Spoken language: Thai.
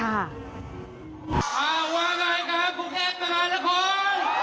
วันนี้ครับผู้แข็งต่างละคน